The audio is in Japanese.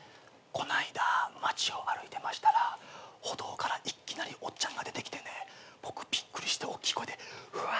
この間街を歩いてましたら歩道からいきなりおっちゃんが出てきてね僕びっくりして大きい声で「うわ」言いましてね。